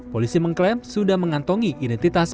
polisi mengklaim sudah mengantongi identitas